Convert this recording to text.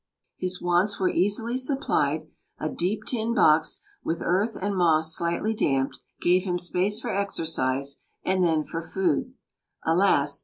His wants were easily supplied: a deep tin box, with earth and moss slightly damped, gave him space for exercise; and then for food alas!